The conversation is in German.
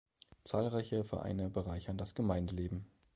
Zahlreiche Vereine bereichern das Gemeindeleben.